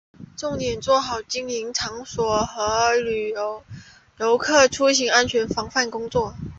重点做好经营场所和游客出行安全防范工作